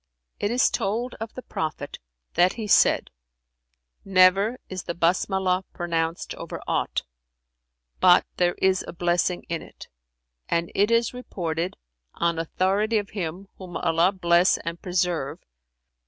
"It is told of the Prophet that he said, 'Never is the Basmalah pronounced over aught, but there is a blessing in it;' and it is reported, on authority of Him (whom Allah bless and preserve!)